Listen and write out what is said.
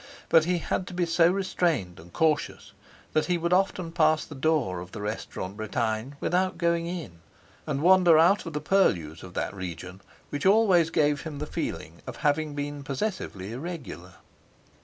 But he had to be so restrained and cautious that he would often pass the door of the Restaurant Bretagne without going in, and wander out of the purlieus of that region which always gave him the feeling of having been possessively irregular.